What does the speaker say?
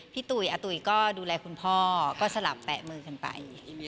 ตุ๋ยอาตุ๋ยก็ดูแลคุณพ่อก็สลับแปะมือกันไป